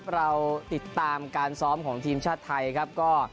เราติดตามการซ้อมของทีมชาติไทยครับก็